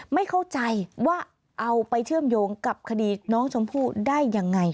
ไม่เข้าใจว่าเอาไปเชื่อมโยงกับคดีน้องชมพู่ได้ยังไง